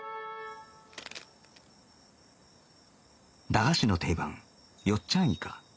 駄菓子の定番よっちゃんイカ